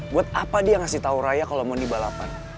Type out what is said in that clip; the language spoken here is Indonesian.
buat apa dia yang ngasih tau raya kalau mau di balapan